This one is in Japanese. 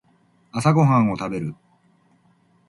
朝ごはんを食べる